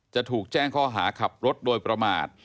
จะถูกแจ้งข้อหาขับรถโดยประมาท